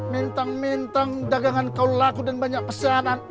mintang mintang dagangan kau laku dan banyak pesanan